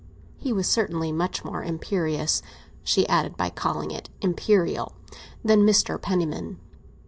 He was certainly much more imperious—she ended by calling it imperial—than Mr. Penniman.